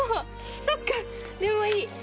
そっかでもいい！